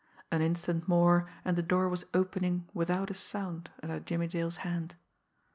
An instant more and the door was opening without a sound under Jimmie Dale's hand.